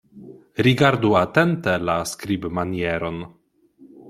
Rigardu atente la skribmanieron.